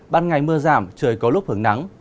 ban ngày mưa giảm trời có lúc hứng nắng